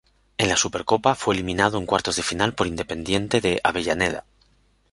En la Supercopa fue eliminado en cuartos de final por Independiente de Avellaneda.